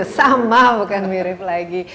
sama bukan mirip lagi